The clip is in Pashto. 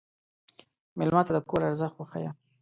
مېلمه ته د کور ارزښت وښیه.